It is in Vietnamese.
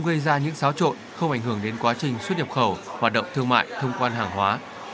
gây ra những xáo trộn không ảnh hưởng đến quá trình xuất nhập khẩu hoạt động thương mại thông quan hàng hóa